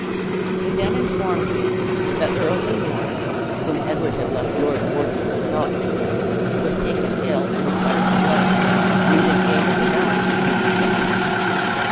He then informed me that Earl de Warenne (whom Edward had left lord warden of Scotland), was taken ill, and retired to London, leaving Aymer de Valence to be his deputy.